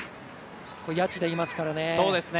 谷内田いますからね。